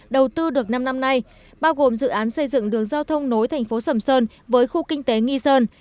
đầu tư được năm năm nay bao gồm dự án xây dựng đường giao thông nối thành phố sầm sơn với khu kinh tế nghi sơn